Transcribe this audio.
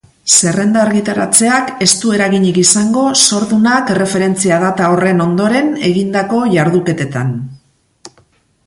Zerrenda argitaratzeak ez du eraginik izango zordunak erreferentzia-data horren ondoren egindako jarduketetan.